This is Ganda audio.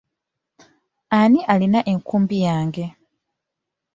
Ani alina enkumbi yange?